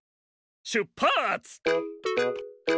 しゅっぱつ！